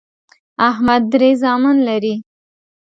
احمد درې زامن لري